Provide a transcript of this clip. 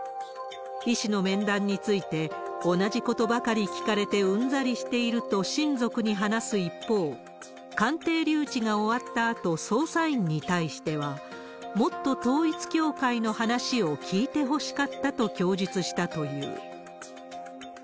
医師の面談について、同じことばかり聞かれて、うんざりしていると親族に話す一方、鑑定留置が終わったあと、捜査員に対しては、もっと統一教会の話を聞いてほしかったと供述したという。